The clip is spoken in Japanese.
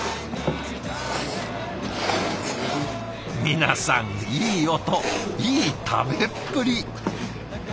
皆さんいい音いい食べっぷり！